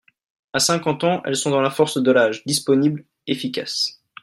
À cinquante ans, elles sont dans la force de l’âge, disponibles, efficaces.